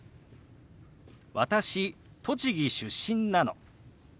「私栃木出身なの」。